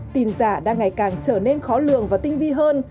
tin giả đang ngày càng trở nên khó lường và tinh vi hơn